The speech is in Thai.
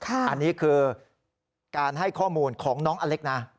อันนี้คือการให้ข้อมูลของน้องอเล็กนะ